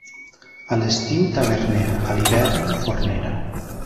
A l'estiu, tavernera; a l'hivern, fornera.